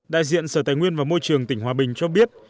đại diện sở tài nguyên và môi trường tỉnh hòa bình cho biết